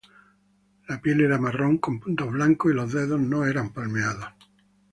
La piel era marrón, con puntos blancos, y los dedos no eran palmeados.